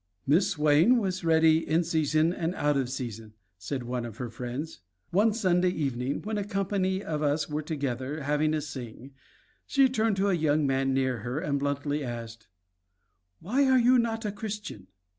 "Miss Swain was ready in season and out of season," said one of her friends. "One Sunday evening when a company of us were together having a sing, she turned to a young man near her and bluntly asked, 'Why are you not a Christian?'